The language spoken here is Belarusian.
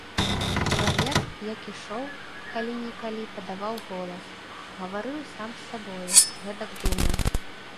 Чалавек, як ішоў, калі-нікалі падаваў голас, гаварыў сам з сабою, гэтак думаў.